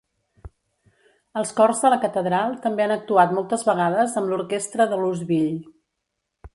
Els cors de la Catedral també han actuat moltes vegades amb l'Orquestra de Louisville.